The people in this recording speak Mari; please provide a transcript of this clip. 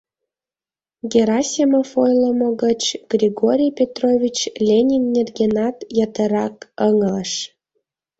Герасимов ойлымо гыч Григорий Петрович Ленин нергенат ятырак ыҥылыш...